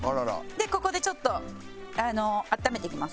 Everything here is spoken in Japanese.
でここでちょっと温めていきます。